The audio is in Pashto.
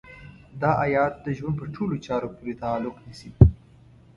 دا ايت د ژوند په ټولو چارو پورې تعلق نيسي.